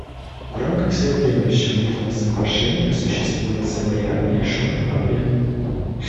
В рамках Всеобъемлющего мирного соглашения существует целый ряд нерешенных проблем.